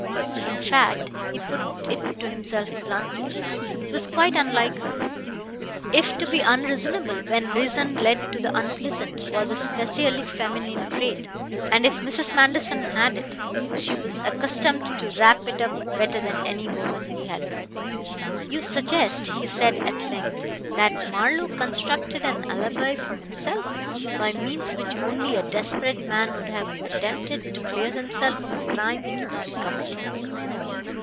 In fact (he put it to himself bluntly) it was quite unlike her. If to be unreasonable when reason led to the unpleasant was a specially feminine trait, and if Mrs. Manderson had it, she was accustomed to wrap it up better than any woman he had known. "You suggest," he said at length, "that Marlowe constructed an alibi for himself, by means which only a desperate man would have attempted, to clear himself of a crime he did not commit.